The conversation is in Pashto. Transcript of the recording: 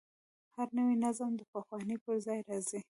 هر نوی نظم د پخواني پر ځای راځي.